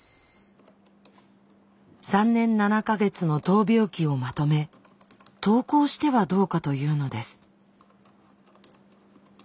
３年７か月の闘病記をまとめ投稿してはどうかというのです。